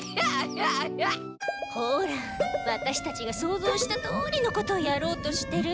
ほらワタシたちが想像したとおりのことをやろうとしてる。